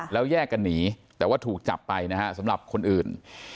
แล้วแยกกันหนีแต่ว่าถูกจับไปนะฮะสำหรับคนอื่น